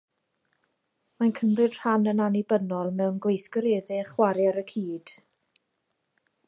Mae'n cymryd rhan yn annibynnol mewn gweithgareddau chwarae ar y cyd